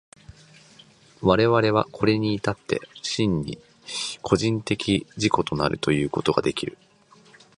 我々はこれに至って真に個人的自己となるということができる。